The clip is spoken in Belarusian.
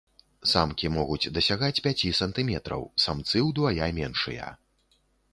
Самкі могуць дасягаць пяці сантыметраў, самцы ўдвая меншыя.